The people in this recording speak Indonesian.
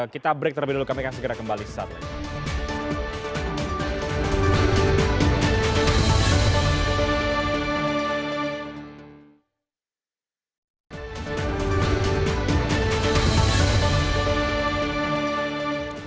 kita break terlebih dahulu kami akan segera kembali sesaat lagi